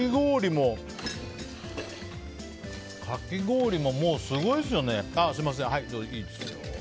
かき氷も、もうすごいですよね。